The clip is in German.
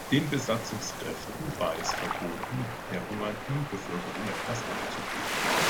Den Besatzungskräften war es verboten, der hungernden Bevölkerung etwas abzugeben.